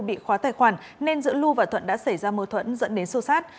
bị khóa tài khoản nên giữa lu và thuận đã xảy ra mâu thuẫn dẫn đến sâu sát